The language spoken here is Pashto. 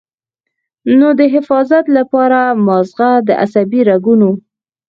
نو د حفاظت له پاره مازغۀ د عصبي رګونو